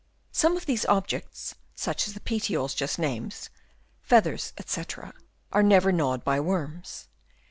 Some of these objects, such as the petioles just named, feathers, &c, are never gnawed by worms.